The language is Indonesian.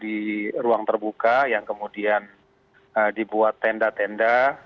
di ruang terbuka yang kemudian dibuat tenda tenda